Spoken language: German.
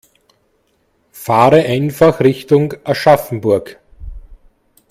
Fahre einfach Richtung Aschaffenburg